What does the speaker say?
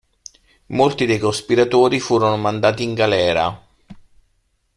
Molti dei cospiratori furono mandati in galera.